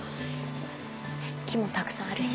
木もたくさんあるし。